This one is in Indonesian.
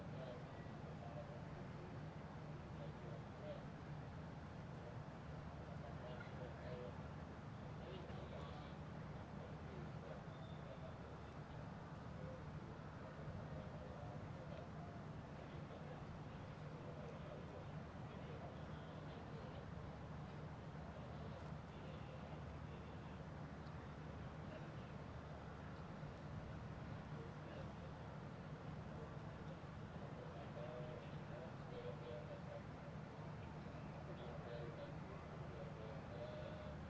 dan kepala cu empat a angkatan bersenjata singapura